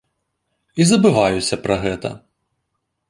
І забываюся пра гэта.